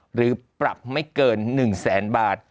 หรือปรับไม่เกิน๑แสนบาท